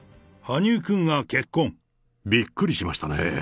びっくりしましたね。